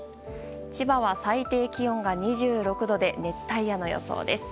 千葉は最低気温が２６度で熱帯夜の予想です。